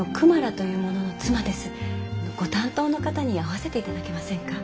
ご担当の方に会わせていただけませんか？